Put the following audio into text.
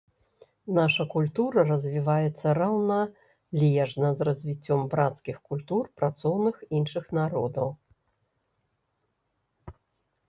Наша культура развіваецца раўналежна з развіццём брацкіх культур працоўных іншых народаў.